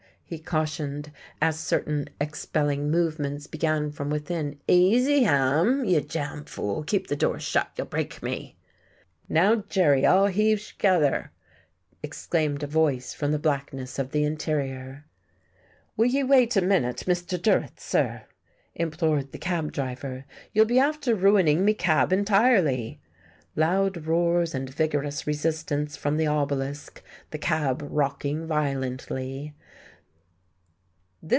he cautioned, as certain expelling movements began from within, "Easy, Ham, you jam fool, keep the door shut, y'll break me." "Now, Jerry, all heave sh'gether!" exclaimed a voice from the blackness of the interior. "Will ye wait a minute, Mr. Durrett, sir?" implored the cabdriver. "You'll be after ruining me cab entirely." (Loud roars and vigorous resistance from the obelisk, the cab rocking violently.)